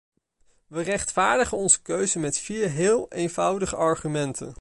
We rechtvaardigen onze keuze met vier heel eenvoudige argumenten.